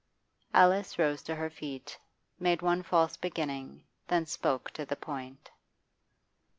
Alice rose to her feet, made one false beginning, then spoke to the point.